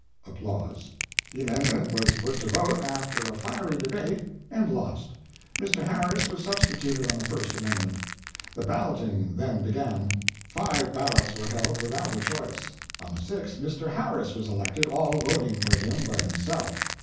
"The amendment was put to vote, after a fiery debate, and lost. Mr. Harris was substituted on the first amendment. The balloting then began. Five ballots were held without a choice. On the sixth, Mr. Harris was elected, all voting for him but himself.